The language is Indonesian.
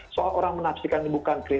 soal orang menafsirkan ini bukan krim